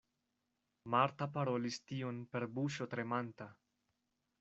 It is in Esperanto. Marta parolis tion per buŝo tremanta.